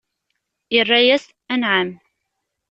Irra-as: Anɛam!